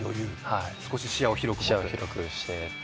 少し視野を広くして？